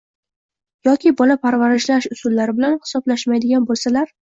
yoki bola parva¬rishlash usullari bilan hisoblashmaydigan bo‘lsalar